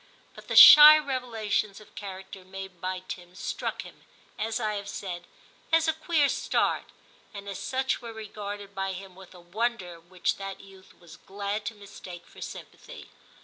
But the shy revelations of character made by Tim struck him, as I have said, as a 'queer start,' and as such were regarded by him with a wonder which that youth was glad to mistake for sympathy.